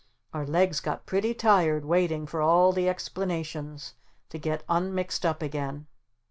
Our legs got pretty tired waiting for all the explanations to get un mixed up again.